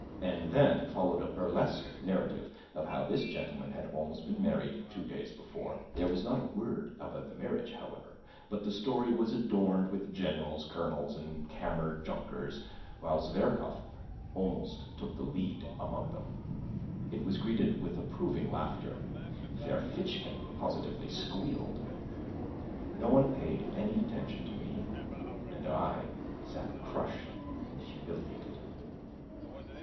And then followed a burlesque narrative of how this gentleman had almost been married two days before. There was not a word about the marriage, however, but the story was adorned with generals, colonels and kammer junkers, while Zverkov almost took the lead among them. It was greeted with approving laughter; Ferfitchkin positively squealed. No one paid any attention to me, and I sat crushed and humiliated.